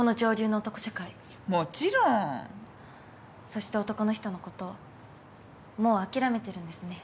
そして男の人のこともう諦めてるんですね？